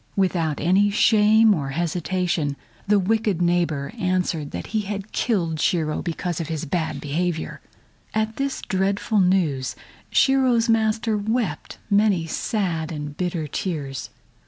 Without any shame or hesitation, the wicked neighbor answered that he had killed Shiro because of his bad behavior. At this dreadful news Shiro's master wept many sad and bitter tears.